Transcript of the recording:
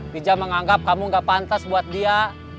bija menganggap kamu gak pantas buat dia